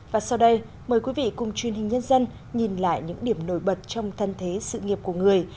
và sau đây mời quý vị cùng truyền hình nhân dân nhìn lại những điểm nổi bật trong thân thế sự nghiệp của người